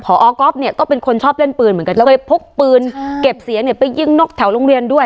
พอก๊อฟเนี่ยก็เป็นคนชอบเล่นปืนเหมือนกันแล้วก็ไปพกปืนเก็บเสียงเนี่ยไปยิงนกแถวโรงเรียนด้วย